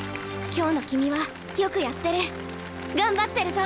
今日の君はよくやってる。頑張ってるぞ！